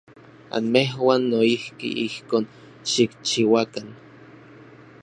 Anmejuan noijki ijkon xikchiuakan.